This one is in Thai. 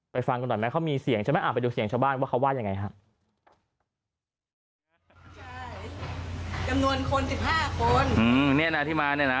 ฟังกันหน่อยไหมเขามีเสียงใช่ไหมไปดูเสียงชาวบ้านว่าเขาว่ายังไงฮะ